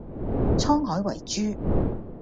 滄海遺珠